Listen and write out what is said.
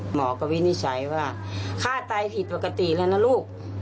หมอก็วินิจฉัยว่าฆ่าไตผิดปกติแล้วนะลูก